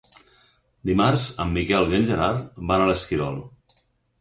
Dimarts en Miquel i en Gerard van a l'Esquirol.